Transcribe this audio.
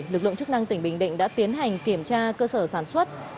lực lượng chức năng tỉnh bình định đã tiến hành kiểm tra cơ sở sản xuất